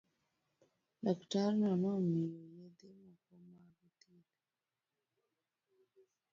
Laktarno nomiye yedhe moko mag thieth.